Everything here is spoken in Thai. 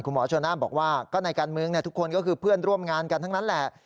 หมอชนน่านบอกว่าก็ในการเมืองทุกคนก็คือเพื่อนร่วมงานกันทั้งนั้นแหละ